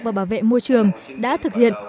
và bảo vệ môi trường đã thực hiện